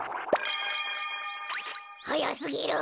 はやすぎる！